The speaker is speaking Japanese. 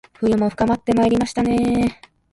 冬も深まってまいりましたね